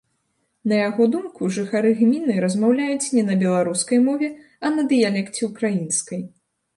На яго думку, жыхары гміны размаўляюць не на беларускай мове, а на дыялекце ўкраінскай.